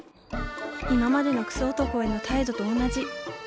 今までのクソ男への態度と同じ。